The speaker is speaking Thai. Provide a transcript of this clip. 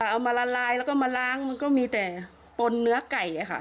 เอามาละลายแล้วก็มาล้างมันก็มีแต่ปนเนื้อไก่ค่ะ